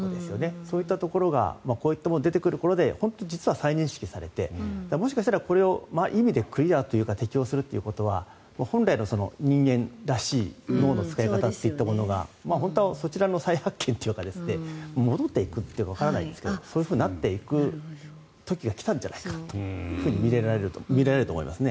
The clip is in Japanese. そういうところがこういうものが出てくることで本当に実は再認識されてもしかしたら、これをいい意味でクリアするということは本来の人間らしい脳の使い方といったものが本当はそちらの再発見というのが戻っていくというかわからないですがそうなっていく時が来たんじゃないかと見られると思いますね。